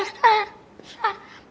selamat menikmati pencapaian hamba